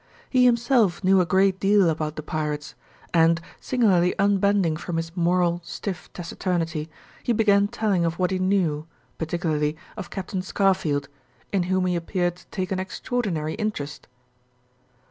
He himself knew a great deal about the pirates, and, singularly unbending from his normal, stiff taciturnity, he began telling of what he knew, particularly of Captain Scarfield in whom he appeared to take an extraordinary interest.